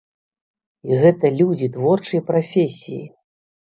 І гэта людзі творчай прафесіі!